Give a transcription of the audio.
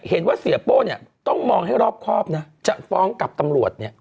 เห็นว่าเสียโป้เนี่ยต้องมองให้รอบครอบนะจะฟ้องกับตำรวจเนี่ย